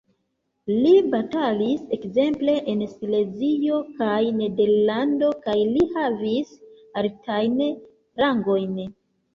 Li batalis ekzemple en Silezio kaj Nederlando, kaj li havis altajn rangojn.